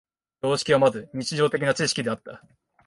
常識はまず日常的な知識であった。